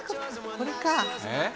これか」